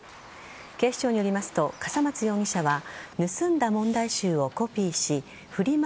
警視庁によりますと笠松容疑者は盗んだ問題集をコピーしフリマ